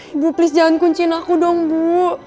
ibu please jalan kuncin aku dong bu